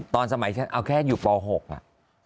ตอนสมัยฉันเอาแค่อยู่ป๖อ่ะ